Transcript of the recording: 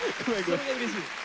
それがうれしいです。